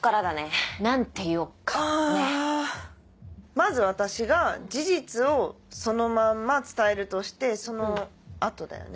まず私が事実をそのまんま伝えるとしてその後だよね。